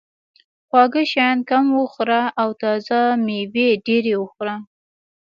خواږه شیان کم وخوره او تازه مېوې ډېرې وخوره.